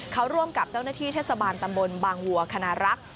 เขาร่วมกับเจ้าหน้าที่เทศบาลตำบลบางวัวคณรักษ์